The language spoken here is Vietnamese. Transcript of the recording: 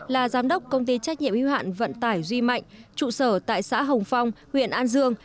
là giám đốc công ty trách nhiệm hưu hạn vận tải duy mạnh trụ sở tại xã hồng phong huyện an dương